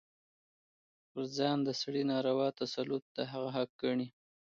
پر ځان د سړي ناروا تسلط د هغه حق ګڼي.